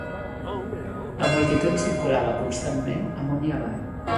La multitud circulava constantment amunt i avall